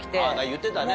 言ってたね。